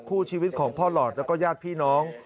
คู่ชีวิตของพ่อหลอดแล้วก็ญาติพี่น้อง